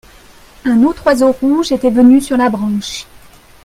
Un autre oiseau rouge était venu sur la branche.